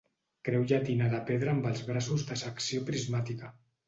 Creu llatina de pedra amb els braços de secció prismàtica.